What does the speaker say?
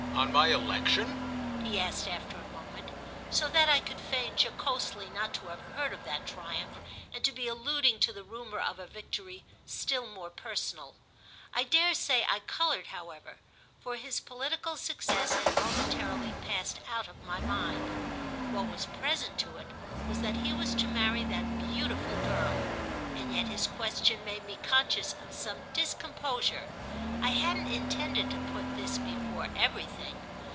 "On my election?" he asked after a moment; so that I could feign, jocosely, not to have heard of that triumph and to be alluding to the rumour of a victory still more personal. I dare say I coloured however, for his political success had momentarily passed out of my mind. What was present to it was that he was to marry that beautiful girl; and yet his question made me conscious of some discomposure—I hadn't intended to put this before everything.